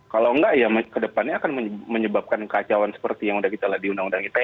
kalau enggak ya ke depannya akan menyebabkan kacauan seperti yang udah kita lihat di undang undang ite